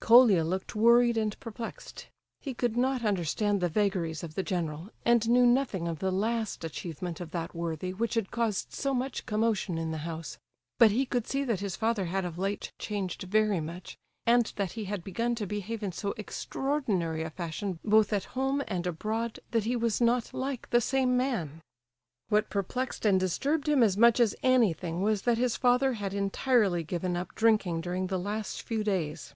Colia looked worried and perplexed. He could not understand the vagaries of the general, and knew nothing of the last achievement of that worthy, which had caused so much commotion in the house. But he could see that his father had of late changed very much, and that he had begun to behave in so extraordinary a fashion both at home and abroad that he was not like the same man. What perplexed and disturbed him as much as anything was that his father had entirely given up drinking during the last few days.